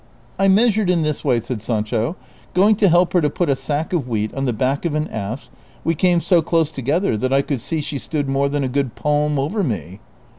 " I measured in this way," said Sancho ;" going to help her to put a sack of wheat on the back of an ass, we came so close together that I could see she stood more than a good palm over me."